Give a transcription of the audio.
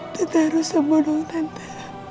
tentara sebodong tante